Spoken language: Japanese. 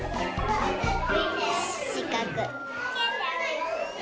しかく。